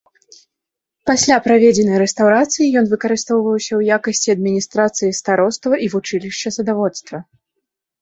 Пасля праведзенай рэстаўрацыі ён выкарыстоўваўся ў якасці адміністрацыі староства і вучылішча садаводства.